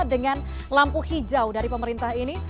dengan lampu hijau dari pemerintah ini